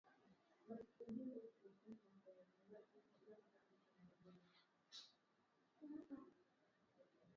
Mwezi Mei, kumi na tano elfu mia tisa sitini na sita, ndipo matangazo hayo yaliongezewa dakika nyingine thelathini.